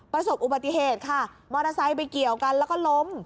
ประสบอุบัติเหตุค่ะมอเตอร์ไซค์ไปเกี่ยวกันแล้วก็ล้ม